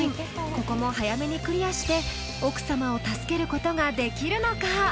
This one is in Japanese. ここも早めにクリアして奥様を助けることができるのか？